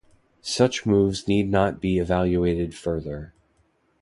Such moves need not be evaluated further.